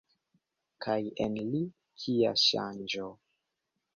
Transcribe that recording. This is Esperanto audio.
Kaj en li, kia ŝanĝo!